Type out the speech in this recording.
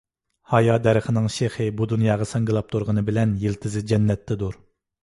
ھايا دەرىخىنىڭ شېخى بۇ دۇنياغا ساڭگىلاپ تۇرغىنى بىلەن يىلتىزى جەننەتتىدۇر.